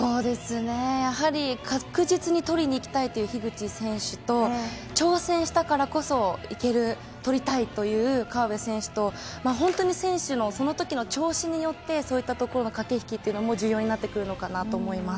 やはり確実に取りにいきたいという樋口選手と挑戦したからこそいける取りたいという河辺選手と本当に選手のそのときの調子によってそういったところの駆け引きが重要になってくると思います。